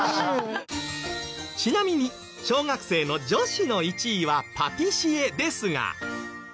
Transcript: ちなみに小学生の女子の１位はパティシエですが。